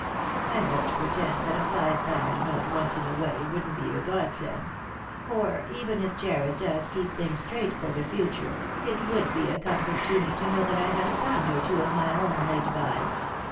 I won't pretend that a five pound note, once in a way, wouldn't be a gedsend ; for even if Jarred does keep things straight for the future, it would be a comfort to me to know that I had a pound or two of my own laid by.